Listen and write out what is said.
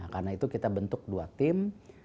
karena itu kita bentuk dua tim